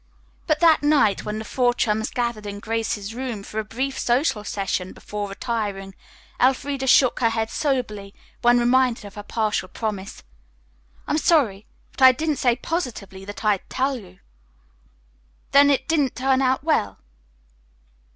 But that night, when the four chums gathered in Grace's room for a brief social session before retiring, Elfreda shook her head soberly when reminded of her partial promise. "I am sorry, but I didn't say positively that I'd tell you." "Then it didn't turn out well?"